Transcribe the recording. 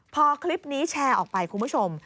พอคลิปนี้แชร์ออกไปคุณผู้ชม